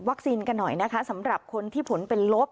กันหน่อยนะคะสำหรับคนที่ผลเป็นลบ